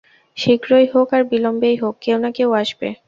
শীঘ্রই হোক আর বিলম্বেই হোক, কেউ না কেউ আসবে।